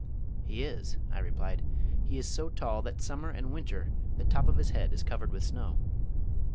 "He is," I replied. "He is so tall that summer and winter the top of his head is covered with snow."